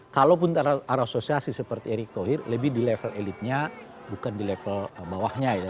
kalaupun ada asosiasi seperti erick thohir lebih di level elitnya bukan di level bawahnya ya